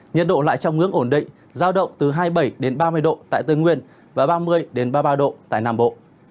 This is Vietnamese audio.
nhiệt độ lại trong ngưỡng ổn định giao động từ hai mươi bảy đến ba mươi độ tại tây nguyên và ba mươi ba mươi ba độ tại nam bộ